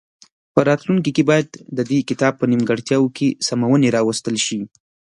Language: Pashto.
په راتلونکي کې باید د دې کتاب په نیمګړتیاوو کې سمونې راوستل شي.